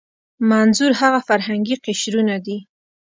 منظور هغه فرهنګي قشرونه دي.